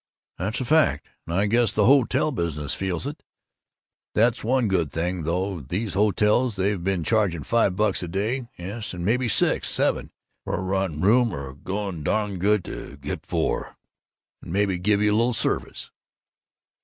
"That's a fact. And I guess the hotel business feels it. That's one good thing, though: these hotels that've been charging five bucks a day yes, and maybe six seven! for a rotten room are going to be darn glad to get four, and maybe give you a little service."